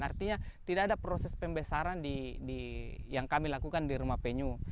artinya tidak ada proses pembesaran yang kami lakukan di rumah penyu